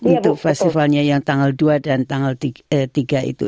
untuk festivalnya yang tanggal dua dan tanggal tiga itu